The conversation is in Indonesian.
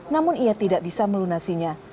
namun ia tidak bisa melunasinya